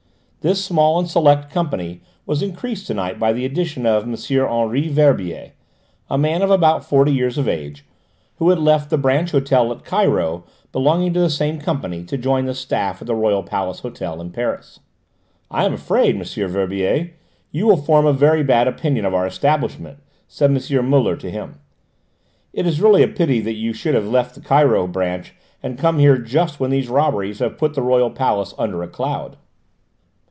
This small and select company was increased to night by the addition of M. Henri Verbier, a man of about forty years of age, who had left the branch hotel at Cairo belonging to the same Company to join the staff at the Royal Palace Hotel in Paris. "I am afraid, M. Verbier, you will form a very bad opinion of our establishment," said M. Muller to him. "It is really a pity that you should have left the Cairo branch and come here just when these robberies have put the Royal Palace under a cloud."